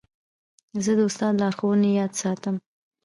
زه د استاد لارښوونې یاد ساتم.